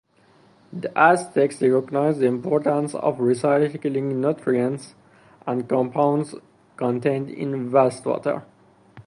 The Aztecs recognized the importance of recycling nutrients and compounds contained in wastewater.